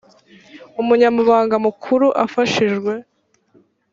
umunyamabanga mukuru afashijwe